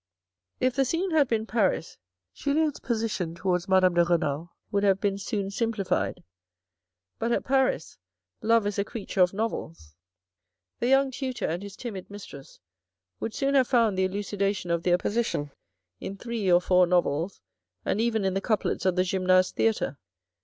If the scene had been Paris, Julien's position towards Madame de Renal would have been soon simplified. But at Paris, love is a creature of novels. The young tutor and his timid mistress would soon have found the elucidation of their position in three or four novels, and even in the couplets of the Gymnase Theatre.